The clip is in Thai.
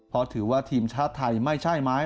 เพราะถือว่าทีมชาติไทยไม่ใช่ไหม